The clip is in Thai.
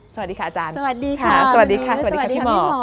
สวัสดีค่ะอาจารย์สวัสดีค่ะสวัสดีค่ะสวัสดีค่ะพี่หมอ